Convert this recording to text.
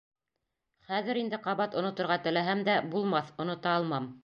Хәҙер инде ҡабат оноторға теләһәм дә, булмаҫ, онота алмам.